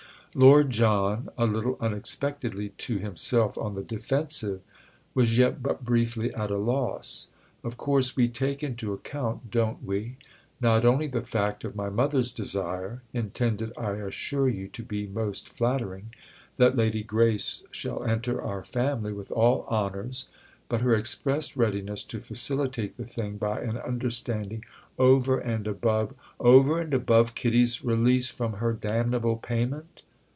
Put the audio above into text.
Lord John, a little unexpectedly to himself on the defensive, was yet but briefly at a loss. "Of course we take into account, don't we? not only the fact of my mother's desire (intended, I assure you, to be most flattering) that Lady Grace shall enter our family with all honours, but her expressed readiness to facilitate the thing by an understanding over and above——" "Over and above Kitty's release from her damnable payment?"